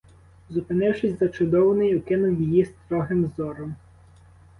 Зупинившись зачудований, окинув її строгим зором.